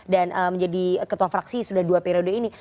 dan menjadi ketua fraksi sudah dua periode ini